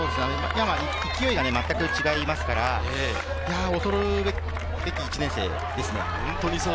勢いがまったく違いますから、恐るべき１年生ですね。